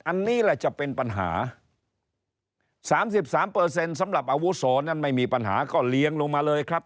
อันนี้แหละจะเป็นปัญหา๓๓เปอร์เซ็นต์สำหรับอาวุโสนั้นไม่มีปัญหาก็เลี้ยงลงมาเลยครับ